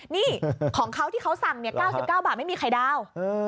นี่ของเขาที่เขาสั่ง๙๙บาทไม่มีไข่ดาว